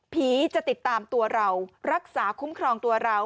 จะติดตามตัวเรารักษาคุ้มครองตัวเรา